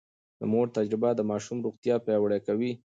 د مور تجربه د ماشوم روغتيا پياوړې کوي.